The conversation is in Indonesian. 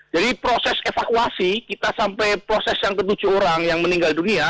jadi proses evakuasi kita sampai proses yang ke tujuh orang yang meninggal dunia